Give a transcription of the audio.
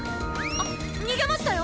あっ逃げましたよ！